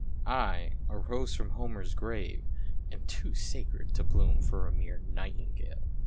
— I, a rose from Homer's grave, am too sacred to bloom for a mere nightingale!